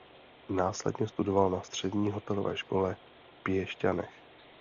Následně studoval na Střední hotelové škole v Piešťanech.